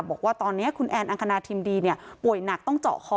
บอกว่าตอนนี้คุณแอนอังคณาทิมดีป่วยหนักต้องเจาะคอ